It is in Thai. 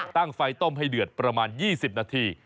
ตั้งไฟต้มให้เดือดประมาณ๒๐นาที